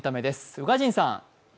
宇賀神さん。